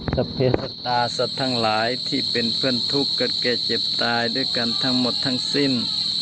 เพชะตาสัตว์ทั้งหลายที่เป็นเพื่อนทุกข์กับแก่เจ็บตายด้วยกันทั้งหมดทั้งสิ้น